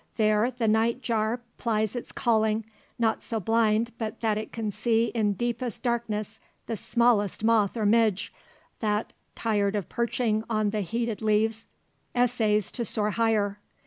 There, the nightjar plies its calling, not so blind but that it can see in deepest darkness the smallest moth or midge, that, tired of perching on the heated leaves essays to soar higher.